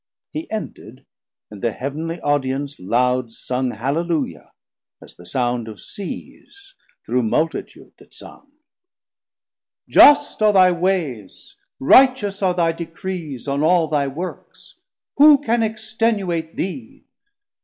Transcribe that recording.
640 Hee ended, and the heav'nly Audience loud Sung Halleluia, as the sound of Seas, Through multitude that sung: Just are thy ways, Righteous are thy Decrees on all thy Works; Who can extenuate thee?